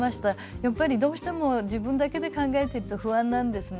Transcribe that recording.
やっぱりどうしても自分だけで考えてると不安なんですね。